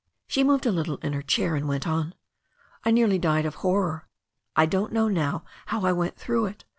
She moved a little in her chair and went on. "I nearly died of horror, I don't know now how I went through it.